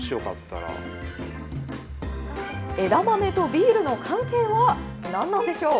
ビールの関係は何なんでしょう？